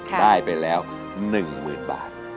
ได้ไปแล้ว๑๐๐๐บาท